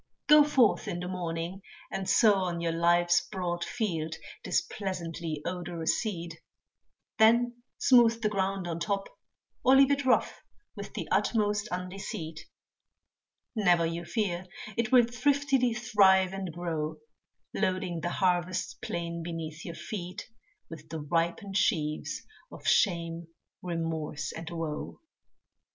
Go forth in the morning, and sow on your life's broad field This pleasantly odorous seed, then smooth the ground on top, Or leave it rough, with the utmost undeceit, Never you fear, it will thriftily thrive and grow, Loading the harvest plain beneath your feet, With the ripened sheaves of shame, remorse, and woe.